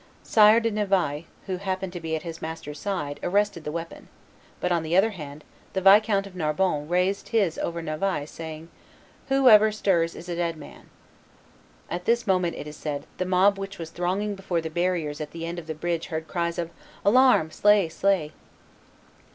Sire de Navailles, who happened to be at his master's side, arrested the weapon; but, on the other hand, the Viscount of Narbonne raised his over Navailles, saying, "Whoever stirs is a dead man." At this moment, it is said, the mob which was thronging before the barriers at the end of the bridge heard cries of "Alarm! slay, slay."